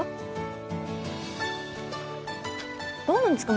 どうなんですか？